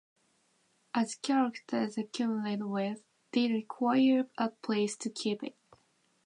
As characters accumulate wealth, they require a place to keep it.